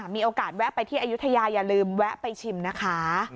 มีโอกาสแวะไปที่อายุทยาอย่าลืมแวะไปชิมนะคะ